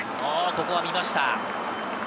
ここは見ました。